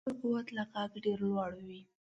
د خبرو قوت له غږ ډېر لوړ وي